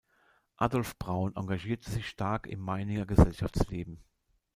Adolf Braun engagierte sich stark im Meininger Gesellschaftsleben.